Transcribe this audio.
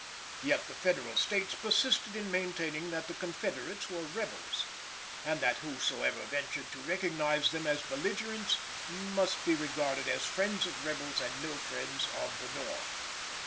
Yet the Federal States persisted in maintaining that the Confederates were rebels, and that whosoever ventured to recognise them as belligerents must be regarded as friends of rebels and no friends of the North.